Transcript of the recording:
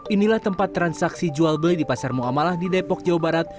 inilah tempat transaksi jual beli di pasar muamalah di depok jawa barat